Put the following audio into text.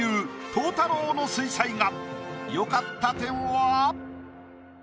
柊太朗の水彩画。